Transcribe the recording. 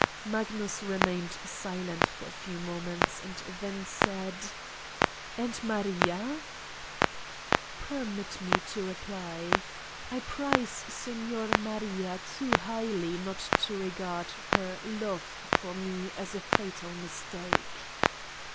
Magnus remained silent for a few moments and then said: 1 ' And Maria ?" "Permit me to reply. I prize Signorina Maria 129 Satan's Diary too highly not to regard her love for me as a fatal mistake.